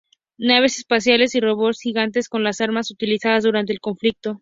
Naves espaciales y robots gigantes son las armas utilizadas durante el conflicto.